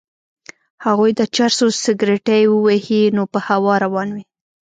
هغوی د چرسو سګرټی ووهي نو په هوا روان وي.